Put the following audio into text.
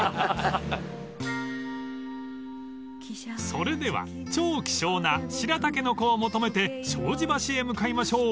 ［それでは超希少な白たけのこを求めて庄司橋へ向かいましょう］